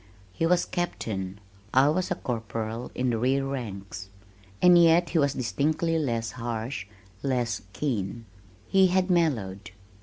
He was Captain, I was a corporal in the rear ranks. And yet he was distinctly less harsh, less keen. He had mellowed.